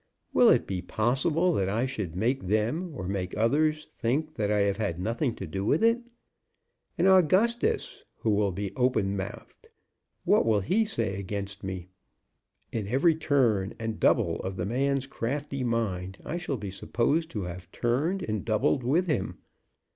Will it be possible that I should make them or make others think that I have had nothing to do with it? And Augustus, who will be open mouthed, what will he say against me? In every turn and double of the man's crafty mind I shall be supposed to have turned and doubled with him.